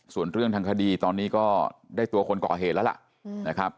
ส่วนเรื่องทางคดีตอนนี้ก็ได้ตัวคนก่อเหตุแล้วล่ะนะครับ